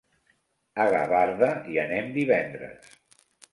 A Gavarda hi anem divendres.